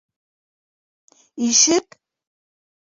Ишек?